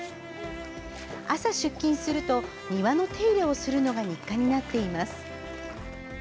朝、出勤すると庭の手入れをするのが日課になっています。